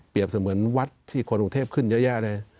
เปรียบเหมือนวัดที่คนอุงเทพขึ้นเยอะแยะเลย